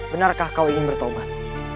benarkah kau ingin bertobat